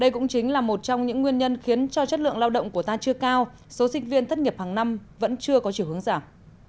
đây cũng chính là một trong những nguyên nhân khiến cho chất lượng lao động của ta chưa cao số sinh viên thất nghiệp hàng năm vẫn chưa có chiều hướng giảm